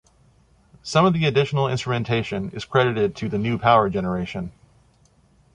Some of the additional instrumentation is credited to The New Power Generation.